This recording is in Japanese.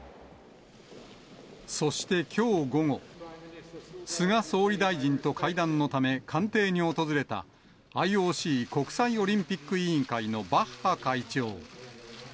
そしてきょう午後、菅総理大臣と会談のため、官邸に訪れた、ＩＯＣ・国際オリンピック委員会のバッハ会長。